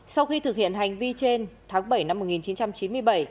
sau khi thực hiện hành vi trên tháng bảy năm một nghìn chín trăm chín mươi bảy